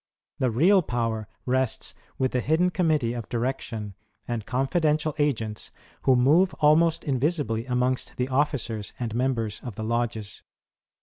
The real power rests with the hidden committee of direction, and confi dential agents, who move almost invisibly amongst the officers and members of the lodges.